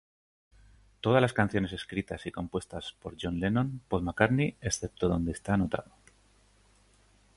Todas las canciones escritas y compuestas por John Lennon—Paul McCartney, excepto donde esta anotado.